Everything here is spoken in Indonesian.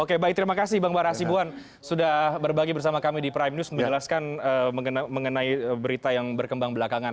oke baik terima kasih bang bara asibuan sudah berbagi bersama kami di prime news menjelaskan mengenai berita yang berkembang belakangan